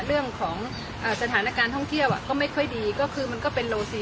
เรื่องของสถานการณ์ท่องเที่ยวก็ไม่ค่อยดีก็คือมันก็เป็นโลซีน